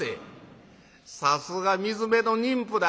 「さすが水辺の人夫だ」。